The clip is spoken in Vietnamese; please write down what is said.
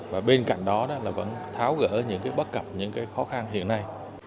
và bên cạnh đó là vẫn tháo gỡ những cái bất cập những cái khó khăn hiện nay